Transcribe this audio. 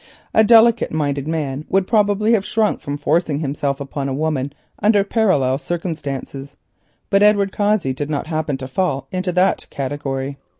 A delicate minded man would probably have shrunken from forcing himself upon a woman under parallel circumstances; but Edward Cossey did not happen to fall into that category.